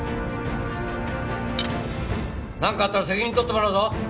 なんかあったら責任とってもらうぞ！